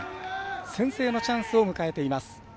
先制のチャンスを迎えています。